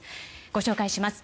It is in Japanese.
ご紹介します。